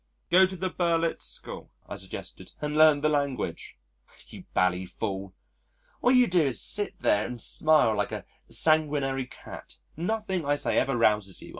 "Go to the Berlitz School," I suggested, "and learn the language." "You bally fool.... All you do is to sit there and smile like a sanguinary cat. Nothing I say ever rouses you.